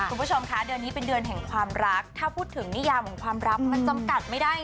คุณผู้ชมคะเดือนนี้เป็นเดือนแห่งความรักถ้าพูดถึงนิยามของความรักมันจำกัดไม่ได้